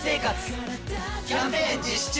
キャンペーン実施中！